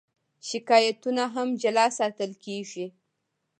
شکایتونه هم جلا ساتل کېږي.